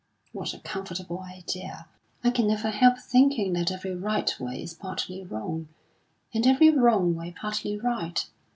"What a comfortable idea! I can never help thinking that every right way is partly wrong, and every wrong way partly right.